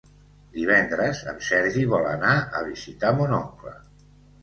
Divendres en Sergi vol anar a visitar mon oncle.